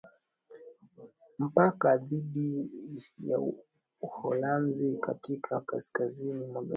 Mpaka dhidi ya Uholanzi katika kaskazini magharibi